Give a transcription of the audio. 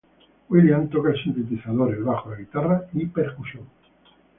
William toca el sintetizador, el bajo, la guitarra y percusión.